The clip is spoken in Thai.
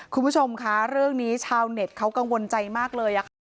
คุณผู้ชมคะเรื่องนี้ชาวเน็ตเขากังวลใจมากเลยค่ะ